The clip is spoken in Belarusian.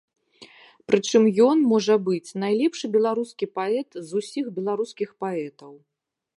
Прычым ён, можа быць, найлепшы беларускі паэт з усіх беларускіх паэтаў.